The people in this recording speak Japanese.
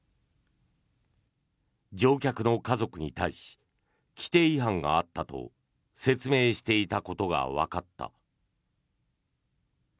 乗客の家族に対し規程違反があったと説明していたことがわかった。